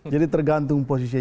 jadi tergantung posisi